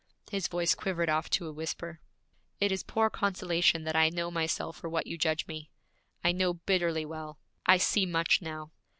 His voice quivered off to a whisper. 'It is poor consolation that I know myself for what you judge me. I know bitterly well; I see much now.